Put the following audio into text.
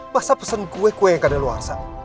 masa pesen kue kue yang kadang luar sa